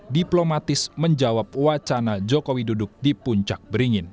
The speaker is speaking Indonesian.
diplomatis menjawab wacana jokowi duduk di puncak beringin